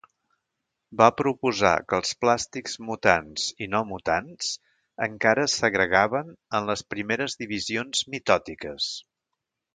Va proposar que els plàstics mutants i no mutants encara es segregaven en les primeres divisions mitòtiques.